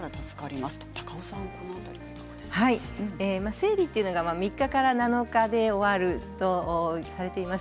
生理というのが３日から７日で終わるとされています。